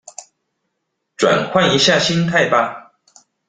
轉換一下心態吧